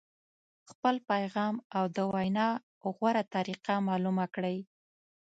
خپل پیغام او د وینا غوره طریقه معلومه کړئ.